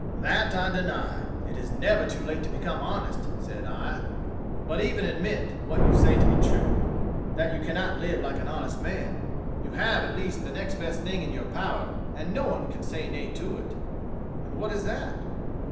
"'That I deny. It is never too late to become honest,' said I. 'But even admit what you say to be true that you cannot live like an honest man you have at least the next best thing in your power, and no one can say nay to it.' "'And what is that?'